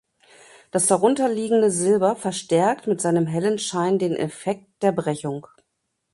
Das darunterliegende Silber verstärkt mit seinem hellen Schein den Effekt der Brechung.